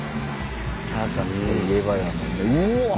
サーカスといえばだもんね。